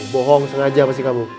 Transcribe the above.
bohong sengaja pasti kamu